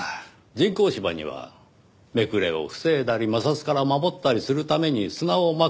人工芝にはめくれを防いだり摩擦から守ったりするために砂をまくんです。